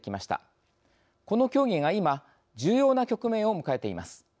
この協議が今重要な局面を迎えています。